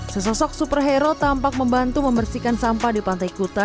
sesosok superhero tampak membantu membersihkan sampah di pantai kuta